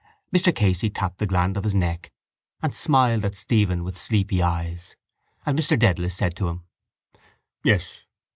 Mr Casey tapped the gland of his neck and smiled at Stephen with sleepy eyes: and Mr Dedalus said to him: —Yes.